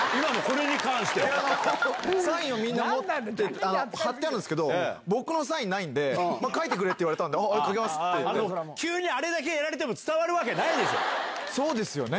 今サインをみんな貼ってあるんですけど、僕のサインないんで、書いてくれって言われたんで、ああ、書きま急にあれだけやられても、そうですよね。